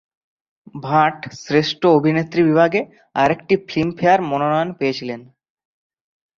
ভাট শ্রেষ্ঠ অভিনেত্রী বিভাগে আরেকটি ফিল্মফেয়ার মনোনয়ন পেয়েছিলেন।